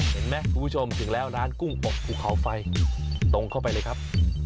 เห็นไหมคุณผู้ชมถึงแล้วร้านกุ้งอบภูเขาไฟตรงเข้าไปเลยครับ